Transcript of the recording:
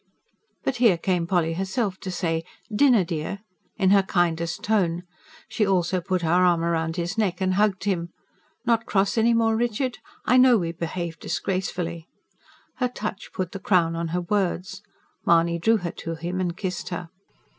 But here came Polly herself to say: "Dinner, dear," in her kindest tone. She also put her arm round his neck and hugged him. "Not cross any more, Richard? I know we behaved disgracefully." Her touch put the crown on her words. Mahony drew her to him and kissed her.